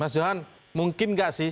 mas johan mungkin nggak sih